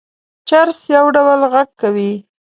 جرس يو ډول غږ کوي.